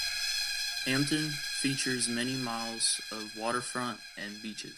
Hampton features many miles of waterfront and beaches.